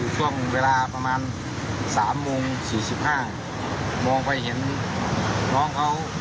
ด้วยน้องประมาณครึ่งชั่วโมง